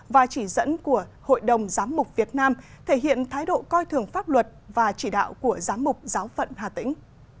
và chỉ dẫn của hội đồng giám mục việt nam thể hiện thái độ coi thường pháp luật và chỉ đạo của giám mục giáo phận hà tĩnh